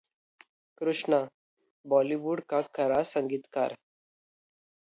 Krishna: Bollywood का खरा संगीतकार